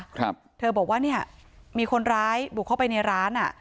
ครับเธอบอกว่าเนี้ยมีคนร้ายบุกเข้าไปในร้านอ่ะ